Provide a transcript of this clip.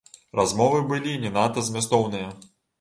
Размовы былі не надта змястоўныя.